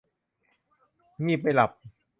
งีบไม่หลับ